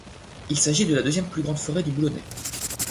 Il s'agit de la deuxième plus grande forêt du Boulonnais.